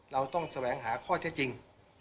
เราต้องแสวงหาข้อเท็จจริง